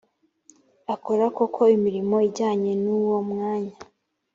akora koko imirimo ijyanye n uwo mwanya